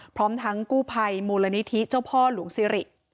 พร้อมทั้งกู้ภัยมูลนิธิเจ้าพ่อหลวงซิริ